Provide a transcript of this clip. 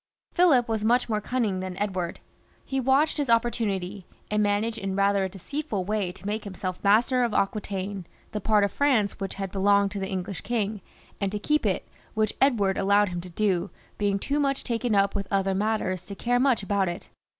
Philip was much more cunning than Edward. He watched his opportunity, and managed in rather a deceitful way to make himself master of Aquitaine, the part of France which had belonged to the English king, and to keep it, which Edward allowed him to do, being too much taken up with other matters to care much about it.